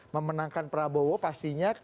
memenangkan prabowo pastinya